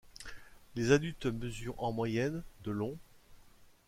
Les adultes mesurent en moyenne de long.